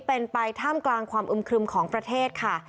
เป็นไปท่ามกลางความอึมครึมของประเทศค่ะ